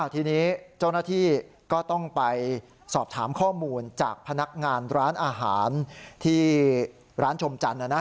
ทีนี้เจ้าหน้าที่ก็ต้องไปสอบถามข้อมูลจากพนักงานร้านอาหารที่ร้านชมจันทร์